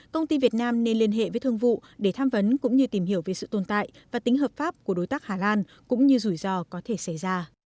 công ty việt nam nên liên hệ với thương vụ để tham vấn cũng như tìm hiểu về sự tồn tại và tính hợp pháp của đối tác hà lan cũng như rủi ro có thể xảy ra